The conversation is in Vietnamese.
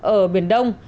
ở biển đông